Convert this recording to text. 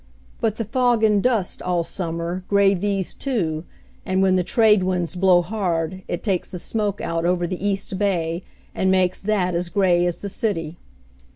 But the fog and dust all summer gray these, too, and when the trade winds blow hard it takes the smoke out over the east bay, and makes that as gray as the city.